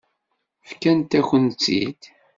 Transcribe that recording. Fkant-akent-tt-id.